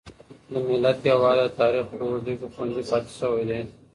د ملت يووالی د تاريخ په اوږدو کې خوندي پاتې شوی دی.